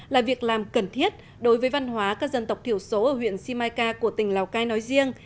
là việc làm cần thiết đối với văn hóa các dân tộc thiểu số ở huyện simacai của tỉnh lào cai nói riêng